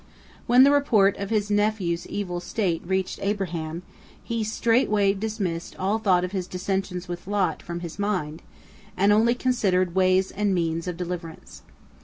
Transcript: When the report of his nephew's evil state reached Abraham, he straightway dismissed all thought of his dissensions with Lot from his mind, and only considered ways and means of deliverance.